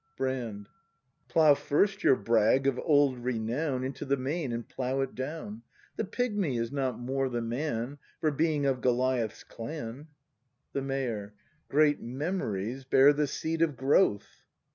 Brand. Plough first your brag of old renown Into the main, and plough it down! The pigmy is not more the man For being of Goliath's clan. The Mayor. Great memories bear the seed of growth.